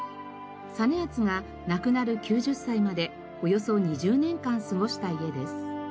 実篤が亡くなる９０歳までおよそ２０年間過ごした家です。